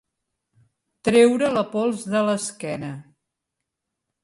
Treure la pols de l'esquena.